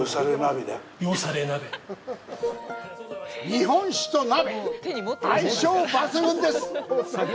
日本酒と鍋、相性抜群です！